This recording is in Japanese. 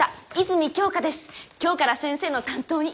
今日から先生の担当に。